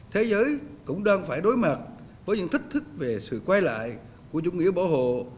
thế giới cũng đang phải đối mặt với những thách thức về sự quay lại của chủ nghĩa bảo hộ